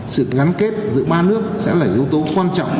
sự gắn kết giữa ba nước sẽ là yếu tố quan trọng